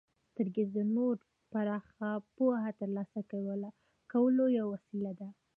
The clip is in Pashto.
•سترګې د نور پراخه پوهه د ترلاسه کولو یوه وسیله ده.